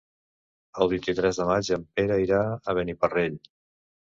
El vint-i-tres de maig en Pere irà a Beniparrell.